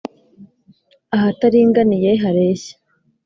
Ahataringaniye hareshye